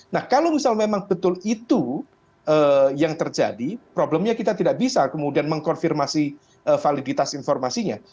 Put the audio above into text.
nah kalau misal memang betul itu yang terjadi problemnya kita tidak bisa kemudian mengkonfirmasi validitas informasinya